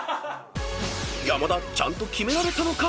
［山田ちゃんとキメられたのか？］